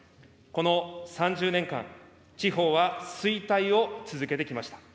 この３０年間、地方は衰退を続けてきました。